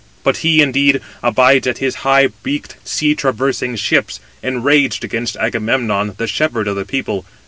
But he, indeed, abides at his high beaked sea traversing ships, enraged against Agamemnon, the shepherd of the people.